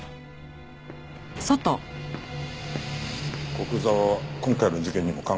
古久沢は今回の事件にも関係している。